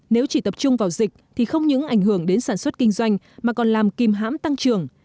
nếu chỉ tập trung vào dịch thì không những ảnh hưởng đến sản xuất kinh doanh mà còn làm kim hãm tăng trưởng